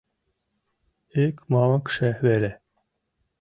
Ик мамыкше веле!..